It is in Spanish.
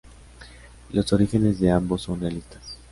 Los orígenes de ambos son realistas.